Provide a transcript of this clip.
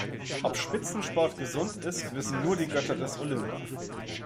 Ob Spitzensport gesund ist, wissen nur die Götter des Olymp.